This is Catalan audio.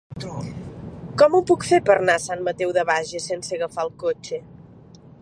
Com ho puc fer per anar a Sant Mateu de Bages sense agafar el cotxe?